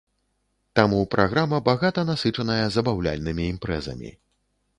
Таму праграма багата насычаная забаўляльнымі імпрэзамі.